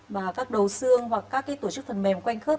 và các đầu xương hoặc các tổ chức phần mềm quanh khớp